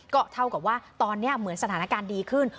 ก็เท่ากับว่าตอนนี้เหมือนสถานการณ์ดีขึ้น